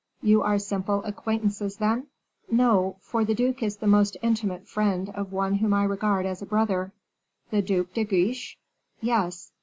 "You are simple acquaintances, then?" "No; for the duke is the most intimate friend of one whom I regard as a brother." "The Duc de Guiche?" "Yes."